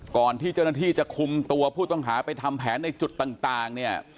ก่อนที่เจ้าหน้าที่จะคุมตัวผู้ต้องหาไปทำแผนในจุดต่างเนี่ย